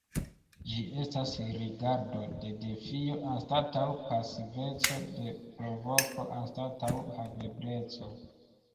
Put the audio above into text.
Ĝi estas rigardo de defio anstataŭ pasiveco, de provoko anstataŭ havebleco.